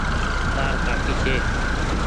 تآر ڪآڪي ڇي۔